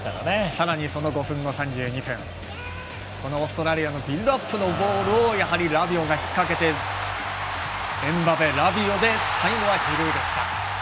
さらにその５分後、３２分オーストラリアのビルドアップのボールをラビオが引っ掛けてエムバペ、ラビオで最後はジルーでした。